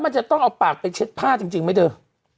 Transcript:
มันจะต้องเอาปากไปเช็ดผ้าจริงไหมเธอ